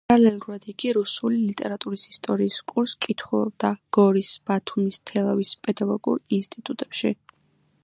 პარალელურად იგი რუსული ლიტერატურის ისტორიის კურსს კითხულობდა გორის, ბათუმის, თელავის პედაგოგიურ ინსტიტუტებში.